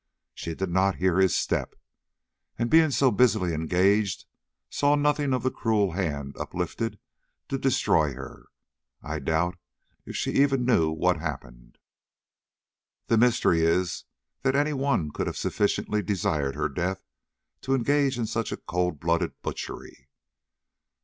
She did not hear his step, and, being so busily engaged, saw nothing of the cruel hand uplifted to destroy her. I doubt if she even knew what happened. The mystery is that any one could have sufficiently desired her death to engage in such a cold blooded butchery.